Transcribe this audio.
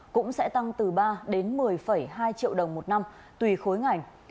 cũng sẽ tăng từ ba đến một mươi hai triệu đồng một năm tùy khối ngành